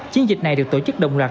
chiến dịch này được tổ chức đồng loạt